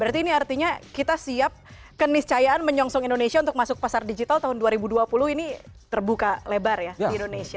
berarti ini artinya kita siap keniscayaan menyongsong indonesia untuk masuk pasar digital tahun dua ribu dua puluh ini terbuka lebar ya di indonesia